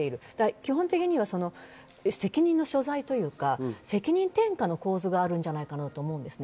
基本的には責任の所在というか、責任転嫁の構図があるんじゃないかと思うんですね。